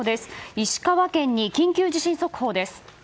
石川県に緊急地震速報です。